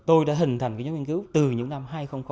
tôi đã hình thành cái nhóm nghiên cứu từ những năm hai nghìn bốn